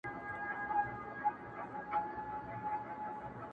اوس د میني ځای نیولی سپین او سرو دی.